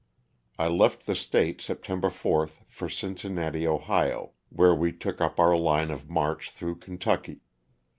I left the State September 4, for Cincinnati, Ohio, where we took up our line of march through Kentucky.